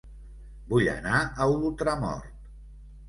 Vull anar a Ultramort